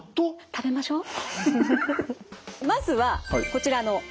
食べましょう。